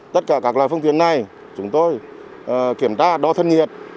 tất cả các loại phương tiện này chúng tôi kiểm tra đo thân nhiệt